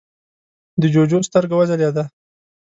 د جُوجُو سترګه وځلېده: